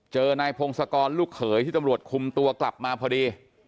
เจอนายพงศกรลูกเขยที่ตำรวจคุมตัวกลับมาพอดี